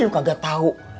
lu kagak tau